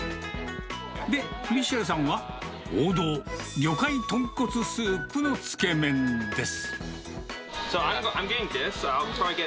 で、ミッシェルさんは、王道、魚介豚骨スープのつけ麺です。